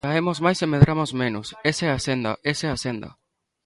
Caemos máis e medramos menos, esa é a senda, ¡esa é a senda!